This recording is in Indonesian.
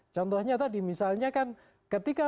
contohnya tadi misalnya kan ketika